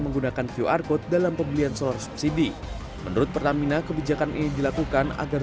menggunakan qr code dalam pembelian solar subsidi menurut pertamina kebijakan ini dilakukan agar